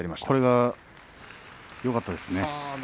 それがよかったですね。